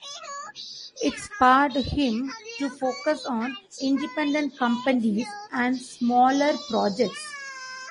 It spurred him to focus on independent companies and smaller projects.